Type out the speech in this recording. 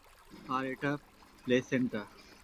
আর এটা প্লেসেন্টা।